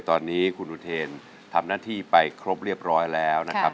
ตอนนี้คุณอุเทนทำหน้าที่ไปครบเรียบร้อยแล้วนะครับ